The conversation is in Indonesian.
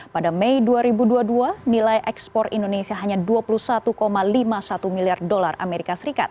pada mei dua ribu dua puluh dua nilai ekspor indonesia hanya dua puluh satu lima puluh satu miliar dolar as